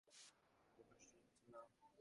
আমি কোনোমতেই এতে প্রশ্রয় দেব না।